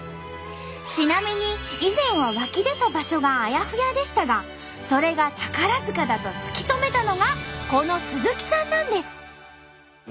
ちなみに以前は湧き出た場所があやふやでしたがそれが宝塚だと突き止めたのがこの鈴木さんなんです。